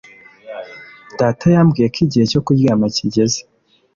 Data yambwiye ko igihe cyo kuryama kigeze